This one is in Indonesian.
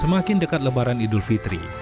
semakin dekat lebaran idul fitri